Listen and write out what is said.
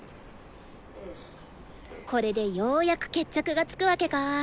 これでようやく決着がつくわけか。